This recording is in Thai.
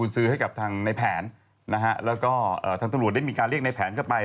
ซื้อให้กับทางในแผนนะฮะแล้วก็ทางตำรวจได้มีการเรียกในแผนเข้าไป